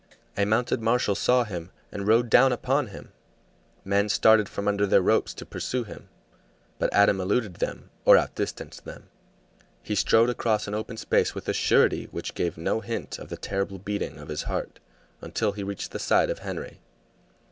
A mounted marshal saw him and rode down upon him; men started from under the ropes to pursue him. But Adam eluded them or outdistanced them. He strode across an open space with a surety which gave no hint of the terrible beating of his heart, until he reached the side of Henry.